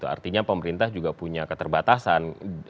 artinya pemerintah juga punya keterbatasan